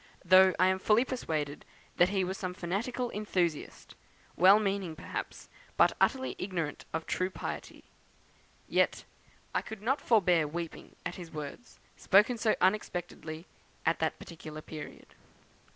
Though I am fully persuaded that he was some fanatical enthusiast, well meaning perhaps, but utterly ignorant of true piety; yet I could not forbear weeping at his words, spoken so unexpectedly at that particular period."